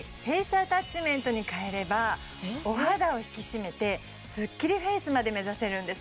アタッチメントにかえればお肌を引き締めてスッキリフェイスまで目指せるんです